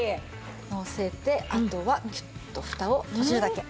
のせてあとはギュッとふたを閉じるだけ。